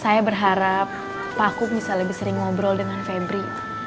saya berharap pakum bisa lebih sering ngobrol dengan febri